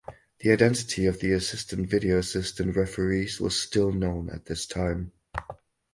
The identity of the assistant video assistant referees was still known at this time.